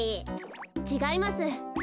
ちがいます。